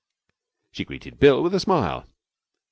She greeted Bill with a smile.